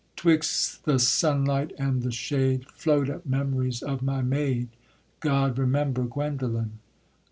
_ 'Twixt the sunlight and the shade Float up memories of my maid: God, remember Guendolen!